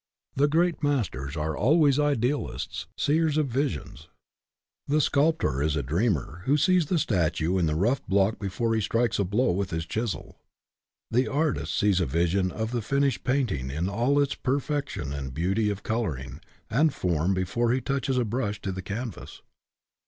The great masters are always idealists, seers of visions. The sculptor is a dreamer who sees the statue in the rough block before he strikes a blow with his chisel. The artist sees a vision of the finished painting in all its per fection and beauty of coloring and form before he touches a brush to the canvas.